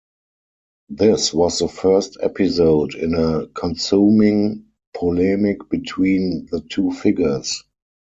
This was the first episode in a consuming polemic between the two figures.